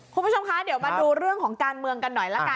คุณผู้ชมคะเดี๋ยวมาดูเรื่องของการเมืองกันหน่อยละกัน